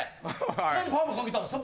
何でパーマかけたんですか？